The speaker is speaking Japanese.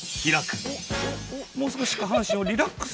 もう少し下半身をリラックス。